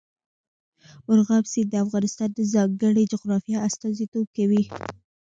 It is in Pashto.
مورغاب سیند د افغانستان د ځانګړي جغرافیه استازیتوب کوي.